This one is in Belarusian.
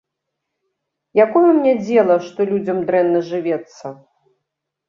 Якое мне дзела, што людзям дрэнна жывецца!